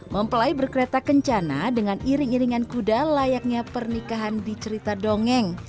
mempelai berkereta kencana dengan iring iringan kuda layaknya pernikahan di cerita dongeng